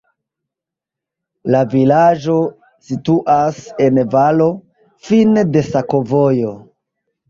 La vilaĝo situas en valo, fine de sakovojo.